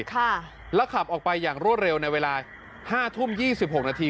ค่ะแล้วขับออกไปอย่างรวดเร็วในเวลาห้าทุ่มยี่สิบหกนาที